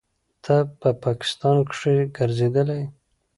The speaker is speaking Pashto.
ته په پاکستان کښې ګرځېدلى يې.